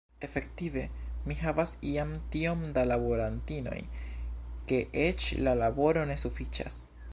Efektive mi havas jam tiom da laborantinoj, ke eĉ la laboro ne sufiĉas.